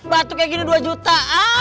batu kaya gini dua juta